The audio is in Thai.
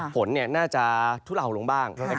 ผลน่าจะทุล่าลงบ้าง